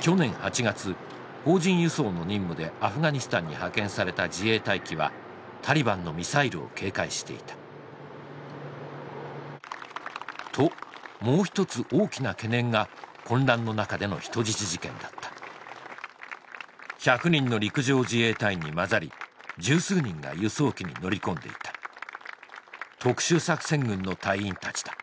去年８月邦人輸送の任務でアフガニスタンに派遣された自衛隊機はタリバンのミサイルを警戒していたともう一つ大きな懸念が混乱のなかでの人質事件だった１００人の陸上自衛隊員にまざり十数人が輸送機に乗り込んでいた特殊作戦群の隊員たちだ